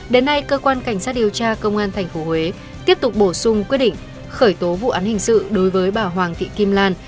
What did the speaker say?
đến nay cơ quan cảnh sát điều tra công an tp huế tiếp tục bổ sung quyết định khởi tố vụ án hình sự đối với bà hoàng thị kim lan